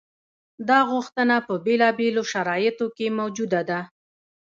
دا غوښتنه په بېلابېلو شرایطو کې موجوده ده.